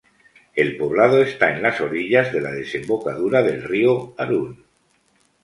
El poblado está en las orillas de la desembocadura del Río Arun.